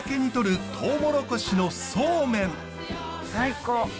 最高！